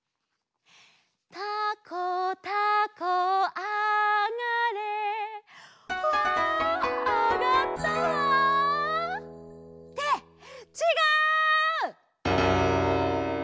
「たこたこあがれ」わあがったわ！ってちがう！